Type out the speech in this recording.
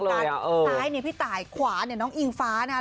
ซ้ายเนี่ยพี่ตายขวาเนี่ยน้องอิงฟ้านะครับ